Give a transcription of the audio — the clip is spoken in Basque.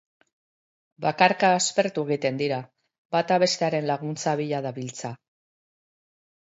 Bakarka aspertu egiten dira; bata bestearen laguntza bila dabiltza.